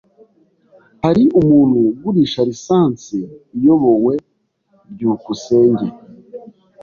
Hari umuntu ugurisha lisansi iyobowe? byukusenge